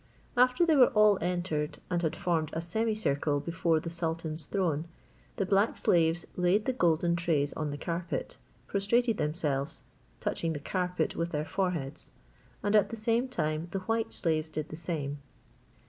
After they were all entered, and had formed a semicircle before the sultan's throne, the black slaves laid the golden trays on the carpet, prostrated themselves, touching the carpet with their foreheads, and at the same time the white slaves did the same.